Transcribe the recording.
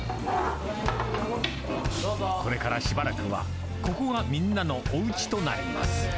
［これからしばらくはここがみんなのおうちとなります］